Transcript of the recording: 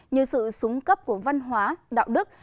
như sự súng cấp của văn hóa đạo đức